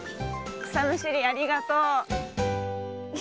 くさむしりありがとう。